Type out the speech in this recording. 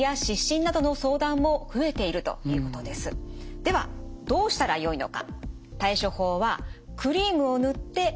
ではどうしたらよいのか。